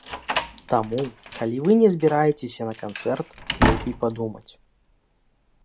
Таму, калі вы не збіраецеся на канцэрт, лепей падумаць.